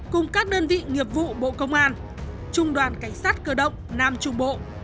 cùng các đơn vị nghiệp vụ bộ công an trung đoàn cảnh sát cơ động nam trung bộ